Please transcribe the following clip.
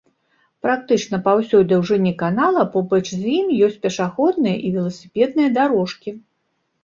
Практычна па ўсёй даўжыні канала побач з ім ёсць пешаходныя і веласіпедныя дарожкі.